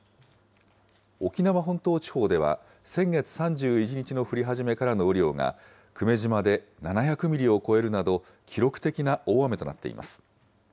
沖縄本島地方では、先月３１日の降り始めからの雨量が、久米島で７００ミリを超えるなど、記録的な大雨となっています。